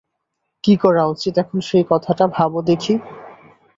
কী করা উচিত এখন সেই কথাটা ভাবো দেখি।